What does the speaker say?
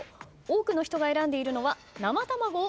多くの人が選んでいるのは。